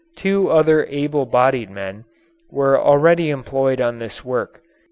Two other able bodied men were already employed on this work.